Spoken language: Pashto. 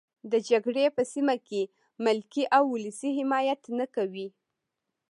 د جګړې په سیمه کې ملکي او ولسي حمایت نه کوي.